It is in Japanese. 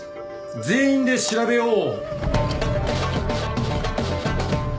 全員で調べよう。